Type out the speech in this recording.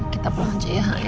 kita pulang aja